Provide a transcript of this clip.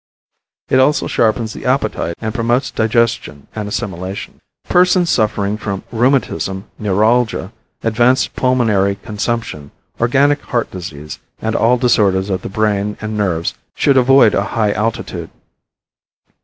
It also sharpens the appetite and promotes digestion and assimilation. Persons suffering from rheumatism, neuralgia, advanced pulmonary consumption, organic heart disease and all disorders of the brain and nerves should avoid a high altitude.